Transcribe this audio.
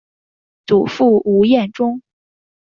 祖父吴彦忠。